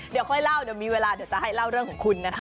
เดี๋ยวค่อยเล่าเดี๋ยวมีเวลาเดี๋ยวจะให้เล่าเรื่องของคุณนะคะ